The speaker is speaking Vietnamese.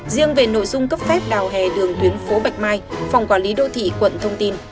riêng về nội dung cấp phép đào hè đường tuyến phố bạch mai phòng quản lý đô thị quận thông tin